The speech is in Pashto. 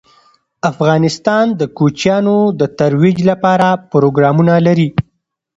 افغانستان د کوچیانو د ترویج لپاره پروګرامونه لري.